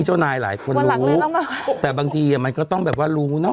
เจ้านายหลายคนรู้วันหลังเลยต้องมาแต่บางทีอ่ะมันก็ต้องแบบว่ารู้น่ะ